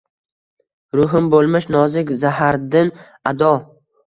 Ruhim bo’lmish nozik zahardin ado